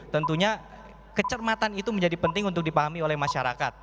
tentunya kecermatan itu menjadi penting untuk dipahami oleh masyarakat